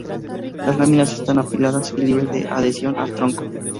Las láminas están apiladas y libres de adhesión al tronco.